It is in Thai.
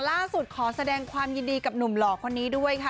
ขอแสดงความยินดีกับหนุ่มหล่อคนนี้ด้วยค่ะ